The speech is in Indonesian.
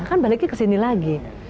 kan baliknya kesini lagi